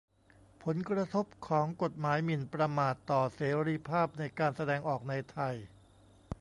ผลกระทบของกฎหมายหมิ่นประมาทต่อเสรีภาพในการแสดงออกในไทย